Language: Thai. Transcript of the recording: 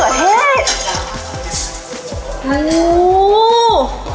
น้ำมะเขือเทศ